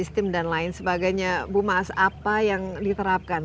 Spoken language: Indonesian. dengan cara yang diterapkan